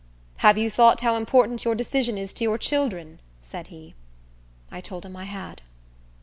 "Have you thought how important your decision is to your children?" said he. I told him I had.